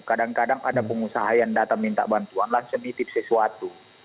kadang kadang ada pengusaha yang datang minta bantuan langsung nitip sesuatu